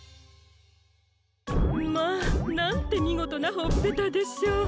まぁなんてみごとなほっぺたでしょう。